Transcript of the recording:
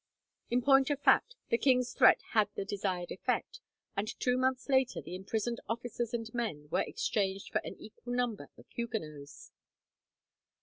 In point of fact, the king's threat had the desired effect, and two months later the imprisoned officers and men were exchanged for an equal number of Huguenots.